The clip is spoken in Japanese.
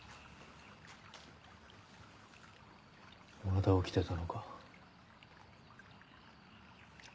まだ起きてたのか。